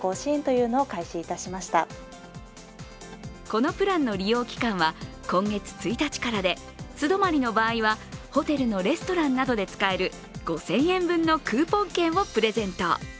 このプランの利用期間は今月１日からで素泊まりの場合はホテルのレストランなどで使える５０００円分のクーポン券をプレゼント。